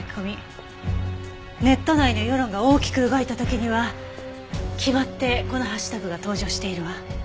ネット内の世論が大きく動いた時には決まってこのハッシュタグが登場しているわ。